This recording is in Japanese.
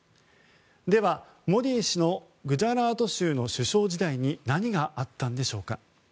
では、モディ氏のグジャラート州の首相時代に何があったんでしょうか。